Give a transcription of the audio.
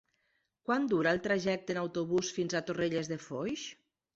Quant dura el trajecte en autobús fins a Torrelles de Foix?